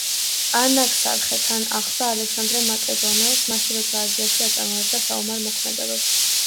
ანაქსარხე თან ახლდა ალექსანდრე მაკედონელს მაშინ როცა აზიაში აწარმოებდა საომარ მოქმედებებს.